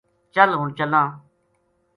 چل ہن چلاں‘‘